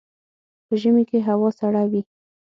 په ژمي کې هوا سړه وي